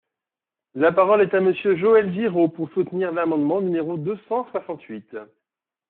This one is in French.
La parole est à Monsieur Joël Giraud, pour soutenir l’amendement numéro deux cent soixante-huit.